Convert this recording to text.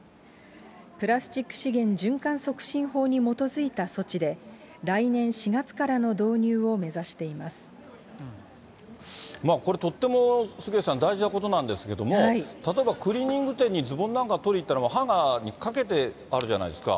プラスチック資源循環促進法に基づいた措置で、来年４月からの導これ、とっても杉上さん、大事なことなんですけど、例えばクリーニング店にズボンなんか取りに行ったらハンガーにかけてあるじゃないですか。